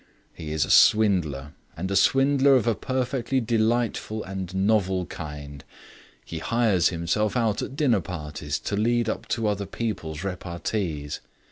He is a swindler, and a swindler of a perfectly delightful and novel kind. He hires himself out at dinner parties to lead up to other people's repartees.